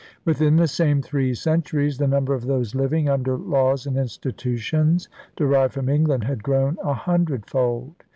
Within the same three centuries the number of those living under laws and institutions derived from England had grown a hundredfold.